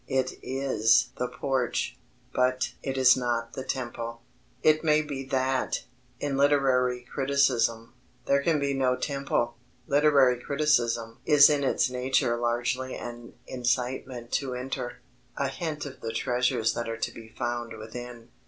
It is the porch, but it is not the temple. It may be that, in literary criticism, there can be no temple. Literary criticism is in its nature largely an incitement to enter, a hint of the treasures that are to be found within.